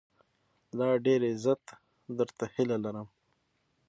لا ډېر عزت، درته هيله لرم